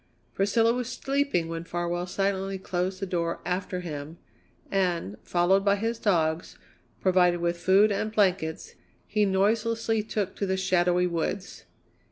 Priscilla was sleeping when Farwell silently closed the door after him, and, followed by his dogs, provided with food and blankets, he noiselessly took to the shadowy woods.